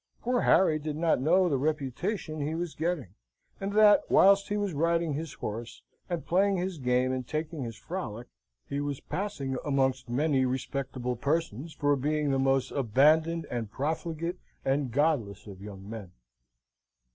Poor Harry did not know the reputation he was getting; and that, whilst he was riding his horse and playing his game and taking his frolic, he was passing amongst many respectable persons for being the most abandoned and profligate and godless of young men.